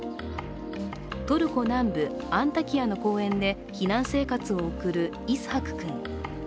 トルコ南部アンタキヤの公園で避難生活を送るイスハク君。